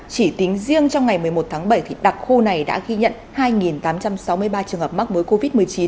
chỉ tính riêng trong ngày một mươi một tháng bảy đặc khu này đã ghi nhận hai tám trăm sáu mươi ba trường hợp mắc mới covid một mươi chín